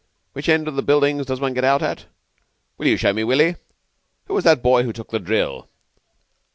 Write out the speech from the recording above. Which end of the buildings does one get out at? Will you show me, Willy? Who was that boy who took the drill?"